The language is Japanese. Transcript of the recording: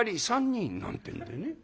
「３人」なんてんでね。